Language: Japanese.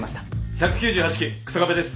１９８期日下部です。